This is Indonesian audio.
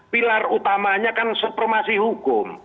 pilar utamanya kan supremasi hukum